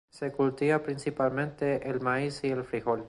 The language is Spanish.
Se cultiva principalmente el maíz y el frijol.